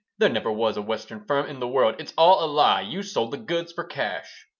"There never was a Western firm in the world. It's all a lie. You sold the goods for cash."